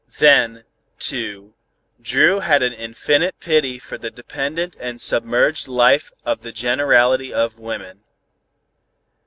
Then, too, Dru had an infinite pity for the dependent and submerged life of the generality of women.